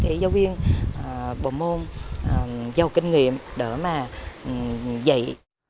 các giáo viên bộ môn giao kinh nghiệm để mà dạy